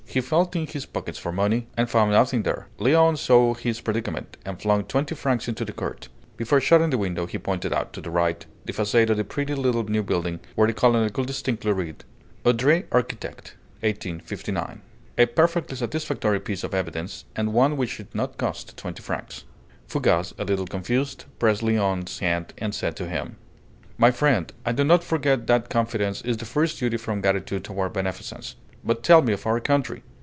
He felt in his pockets for money, and found nothing there. Léon saw his predicament, and flung twenty francs into the court. Before shutting the window, he pointed out, to the right, the façade of a pretty little new building, where the colonel could distinctly read: AUDRET ARCHITECTE MDCCCLIX A perfectly satisfactory piece of evidence, and one which did not cost twenty francs. Fougas, a little confused, pressed Léon's hand and said to him: "My friend, I do not forget that Confidence is the first duty from Gratitude toward Beneficence. But tell me of our country!